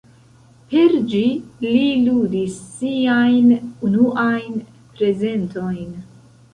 Per ĝi li ludis siajn unuajn prezentojn.